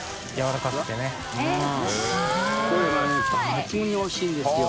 抜群においしいんですよ。